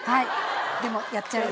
でもやっちゃうよ。